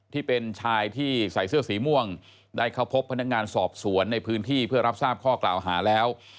ที่เป็นชายที่ใส่เสื้อสีม่วงได้เข้าพบพนักงานสอบสวนในพื้นที่เพื่อรับทราบข้อกล่าวหาแล้ว